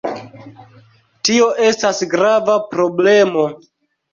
Tio estas grava problemo.